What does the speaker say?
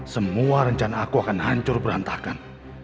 semua rencana aku akan hancur berantakan